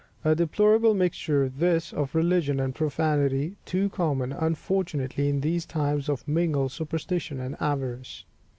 A deplorable mixture this of religion and profanity, too common unfortunately, in these times of mingled superstition and avarice.